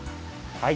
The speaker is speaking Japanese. はい。